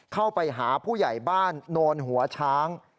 เข้าไปหาผู้ใหญ่บ้านโนนหัวช้าง